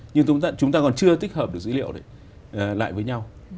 nhưng chúng ta còn chưa tích hợp được dữ liệu để lại với nhau